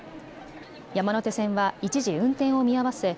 山手線は一時、運転を見合わせ